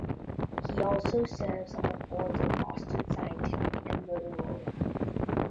He also serves on the boards of Boston Scientific and Motorola.